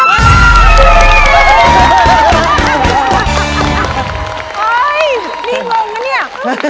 นี่งงมั้ยเนี่ย